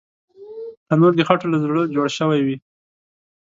تنور د خټو له زړه جوړ شوی وي